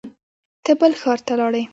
ته بل ښار ته لاړې